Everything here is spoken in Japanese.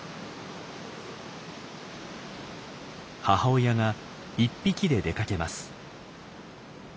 母親が１匹で出かけます。